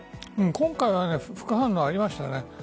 今回は副反応、ありました。